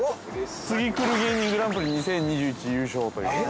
ツギクル芸人グランプリ２０２１優勝ということで。